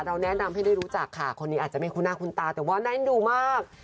เราแนะนำให้ได้รู้จักค่ะคนนี้อาจจะไม่คุณาคุณตาแต่ว่าในดูมาก